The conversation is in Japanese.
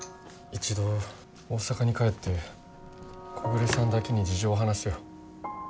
一度大阪に帰って木暮さんだけに事情を話すよ。